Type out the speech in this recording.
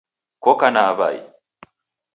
Koko na awai?